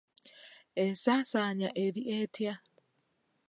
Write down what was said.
Ensaasaanya eri etya?